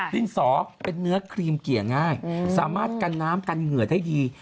ดินสอเป็นเนื้อครีมเกี่ยง่ายสามารถกันน้ำกันเหงื่อได้ดี